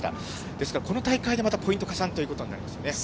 ですから、この大会でまたポイント加算ということになりますね。